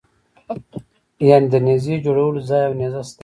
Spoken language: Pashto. یعنې د نېزې جوړولو ځای او نېزه ستان.